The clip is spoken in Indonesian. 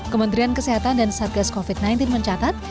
kementerian kesehatan dan satgas covid sembilan belas mencatat